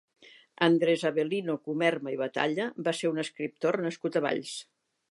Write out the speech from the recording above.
Andrés Avelino Comerma i Batalla va ser un escriptor nascut a Valls.